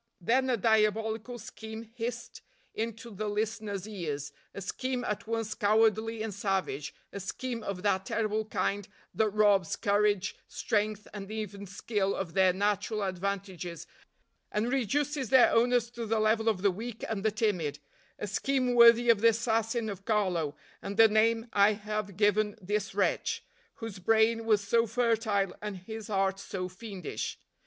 Then a diabolical scheme hissed into the listeners' ears a scheme at once cowardly and savage a scheme of that terrible kind that robs courage, strength and even skill of their natural advantages, and reduces their owners to the level of the weak and the timid a scheme worthy of the assassin of Carlo, and the name I have given this wretch, whose brain was so fertile and his heart so fiendish.